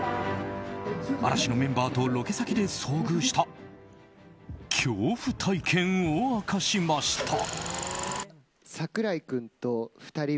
嵐のメンバーとロケ先で遭遇した恐怖体験を明かしました。